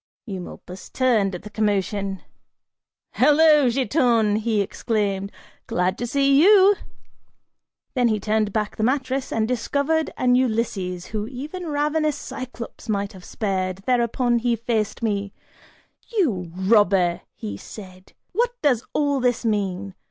Eumolpus turned at the commotion. "Hello, Giton," he exclaimed, "glad to see you!" Then he turned back the mattress and discovered an Ulysses who even a ravenous Cyclops might have spared; thereupon, he faced me, "You robber," said he, "what does all this mean?